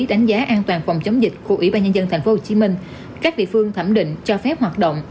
đánh giá an toàn phòng chống dịch của ủy ban nhân dân tp hcm các địa phương thẩm định cho phép hoạt động